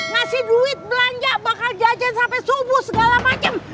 ngasih duit belanja bakal jajan sampai subuh segala macam